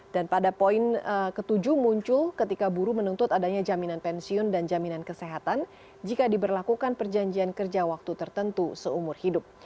dan pada poin ke tujuh muncul ketika buru menuntut adanya jaminan pensiun dan jaminan kesehatan jika diberlakukan perjanjian kerja waktu tertentu seumur hidup